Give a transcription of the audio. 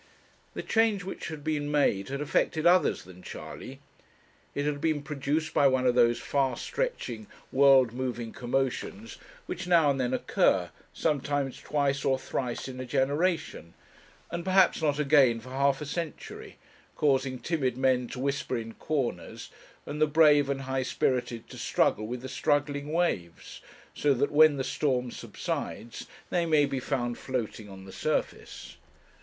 The change which had been made had affected others than Charley. It had been produced by one of those far stretching, world moving commotions which now and then occur, sometimes twice or thrice in a generation, and, perhaps, not again for half a century, causing timid men to whisper in corners, and the brave and high spirited to struggle with the struggling waves, so that when the storm subsides they may be found floating on the surface.